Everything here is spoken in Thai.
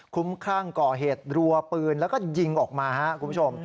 คุ้มคลั่งก่อเหตุรัวปืนแล้วก็ยิงออกมาครับคุณผู้ชม